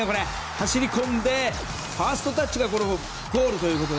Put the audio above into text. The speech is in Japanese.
走り込んでファーストタッチがゴールと。